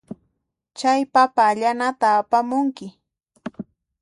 Chay papa allanata apamunki.